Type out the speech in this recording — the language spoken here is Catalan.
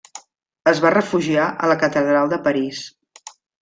Es va refugiar a la catedral de París.